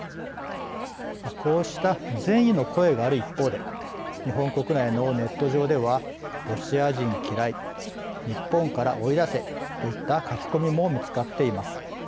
こうした善意の声がある一方で日本国内のネット上では「ロシア人嫌い」「日本から追い出せ」といった書き込みも見つかっています。